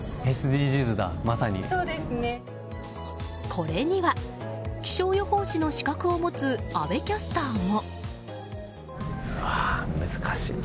これには気象予報士の資格を持つ阿部キャスターも。